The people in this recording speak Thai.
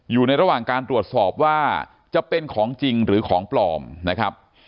อยู่ในระหว่างการตรวจสอบว่าจะเป็นของจริงหรือของปลอมนะครับ